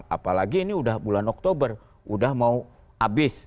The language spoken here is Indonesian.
apalagi ini udah bulan oktober udah mau habis